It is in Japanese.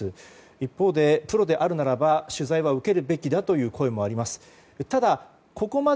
一方でプロであるならば取材を受けるべきだという声もあります。